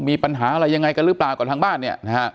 มีปัญหาอะไรยังไงกันหรือเปล่ากับทางบ้านเนี่ยนะฮะ